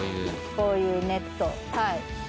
こういうネットをはい。